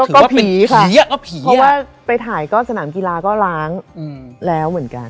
ก็ผีค่ะผีเพราะว่าไปถ่ายก็สนามกีฬาก็ล้างแล้วเหมือนกัน